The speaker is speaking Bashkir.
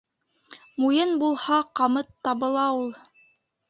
Муйын булһа, ҡамыт табыла ул.